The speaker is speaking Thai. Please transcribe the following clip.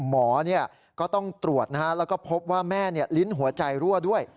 หมอเนี้ยก็ต้องตรวจนะฮะแล้วก็พบว่าแม่เนี้ยลิ้นหัวใจรั่วด้วย